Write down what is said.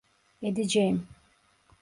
Edeceğim.